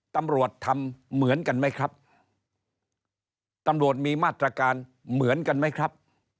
ตำรวจทำเหมือนกันไหมครับตำรวจมีมาตรการเหมือนกันไหมครับ